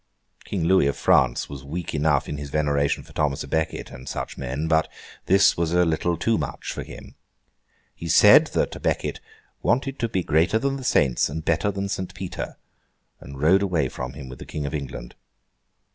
King Louis of France was weak enough in his veneration for Thomas à Becket and such men, but this was a little too much for him. He said that à Becket 'wanted to be greater than the saints and better than St. Peter,' and rode away from him with the King of England.